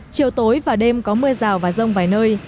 chiều tối và đêm có mưa rào và rông vài nơi